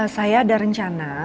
saya ada rencana